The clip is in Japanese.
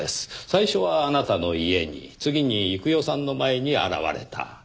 最初はあなたの家に次に幾代さんの前に現れた。